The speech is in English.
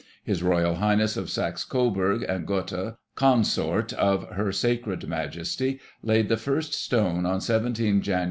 His Royal High ness of Saxe Coburg and Gotha, Consort of Her Sacred Majesty, laid the first stone on 17 Jan.